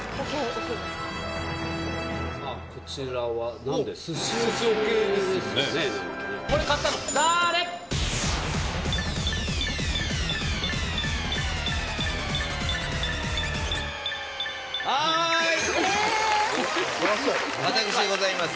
はい！